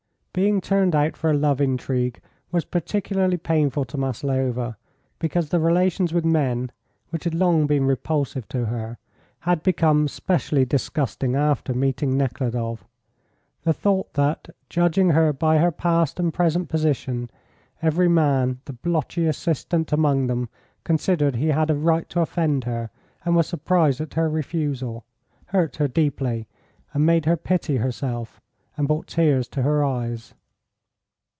Being turned out for a love intrigue was particularly painful to Maslova, because the relations with men, which had long been repulsive to her, had become specially disgusting after meeting Nekhludoff. The thought that, judging her by her past and present position, every man, the blotchy assistant among them, considered he had a right to offend her, and was surprised at her refusal, hurt her deeply, and made her pity herself and brought tears to her eyes.